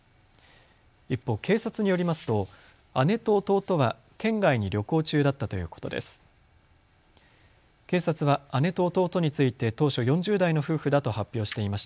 一方、警察によりますと姉と弟は県外に旅行中だったということです。